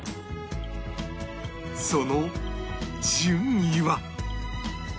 その順位は？